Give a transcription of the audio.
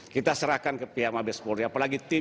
kita serahkan ke pihak mabes polri